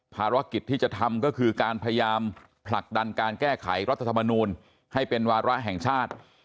ภารกิจที่จะทำก็คือการพยายามผลักดันการแก้ไขรัฐธรรมนูลให้เป็นวาระแห่งชาติ